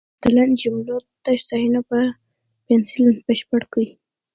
د لاندې جملو تش ځایونه دې په پنسل بشپړ کړي.